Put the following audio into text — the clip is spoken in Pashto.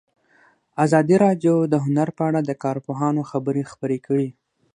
ازادي راډیو د هنر په اړه د کارپوهانو خبرې خپرې کړي.